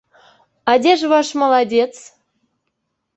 А дзе ж ваш маладзец?